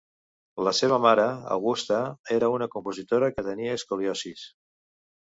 La seva mare, Augusta, era una compositora que tenia escoliosi.